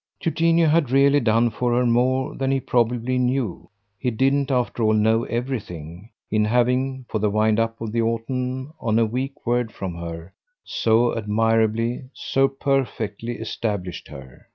Eugenio had really done for her more than he probably knew he didn't after all know everything in having, for the wind up of the autumn, on a weak word from her, so admirably, so perfectly established her.